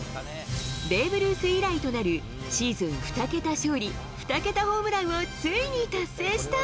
ベーブ・ルース以来となるシーズン２桁勝利、２桁ホームランをついに達成した。